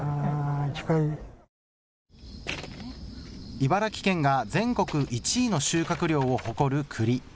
茨城県が全国１位の収穫量を誇るくり。